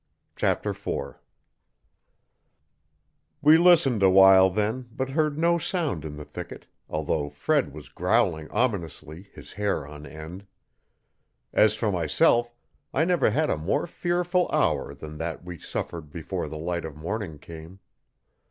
Chapter 4 We listened awhile then but heard no sound in the thicket, although Fred was growling ominously, his hair on end. As for myself I never had a more fearful hour than that we suffered before the light of morning came.